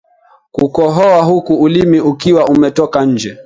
Kukohoa huku ulimi ukiwa umetoka nje